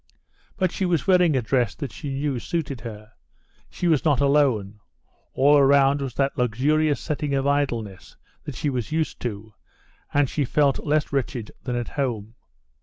But she was wearing a dress that she knew suited her. She was not alone; all around was that luxurious setting of idleness that she was used to, and she felt less wretched than at home.